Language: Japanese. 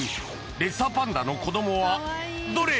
レッサーパンダの子供はどれ？